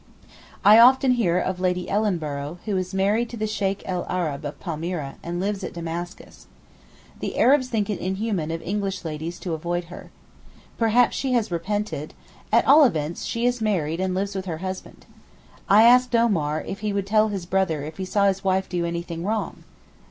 I often hear of Lady Ellenborough, who is married to the Sheykh el Arab of Palmyra, and lives at Damascus. The Arabs think it inhuman of English ladies to avoid her. Perhaps she has repented; at all events, she is married and lives with her husband. I asked Omar if he would tell his brother if he saw his wife do anything wrong.